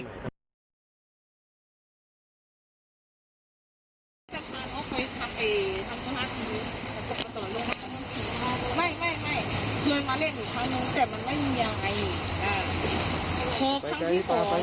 ตอนครั้งที่สองตอนครั้งที่สองต้องมาเล่นจับไปตรงนู้น